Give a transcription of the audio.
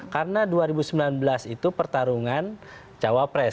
karena dua ribu sembilan belas itu pertarungan cowopres